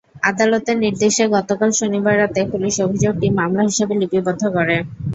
আদালতের নির্দেশে গতকাল শনিবার রাতে পুলিশ অভিযোগটি মামলা হিসেবে লিপিবদ্ধ করে।